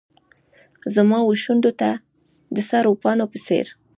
زما وشونډو ته د سرو پاڼو په څیر